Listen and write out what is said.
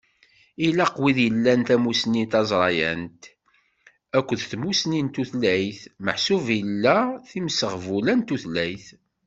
Ilaq wid ilan tamussni taẓrayant akked tmussni n tutlayt meḥsub ila timseɣbula n tutlayt.